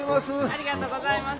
ありがとうございます。